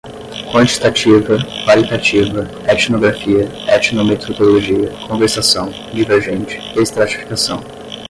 quantitativa, qualitativa, etnografia, etnometodologia, conversação, divergente, estratificação